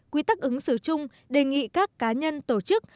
quy tắc ứng xử chung đề nghị các cá nhân tổ chức